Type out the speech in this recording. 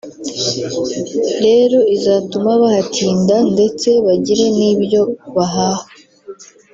rero izatuma bahatinda ndetse bagire n’ibyo bahaha”